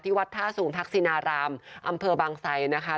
วัดท่าสูงทักษินารามอำเภอบางไซนะคะ